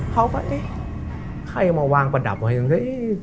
เขาก็เอ๊ะใครมาวางประดับไว้